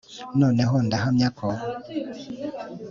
noneho ndahamya ko